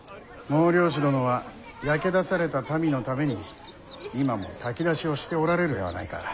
罔両子殿は焼け出された民のために今も炊き出しをしておられるではないか。